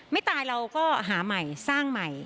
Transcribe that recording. ไม่ตายเราก็หาใหม่สร้างใหม่